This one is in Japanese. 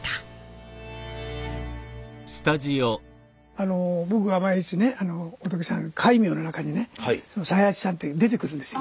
あの僕が毎日ね仏さん戒名の中にねその才八さんっていうの出てくるんですよ